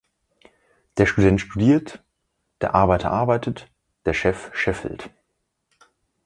Der Student studiert, der Arbeiter arbeitet, der Chef scheffelt